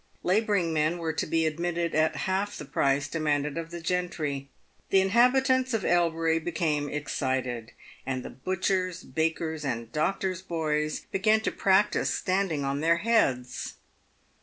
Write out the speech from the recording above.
Labouring men were to be admitted at half the price demanded of the gentry. The inhabitants of Elbury became excited, and the butchers', the bakers', and the doctors' boys began to practise standing on th«ir heads.